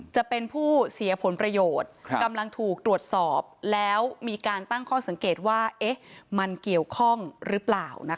จะเป็นผู้เสียผลประโยชน์กำลังถูกตรวจสอบแล้วมีการตั้งข้อสังเกตว่ามันเกี่ยวข้องหรือเปล่า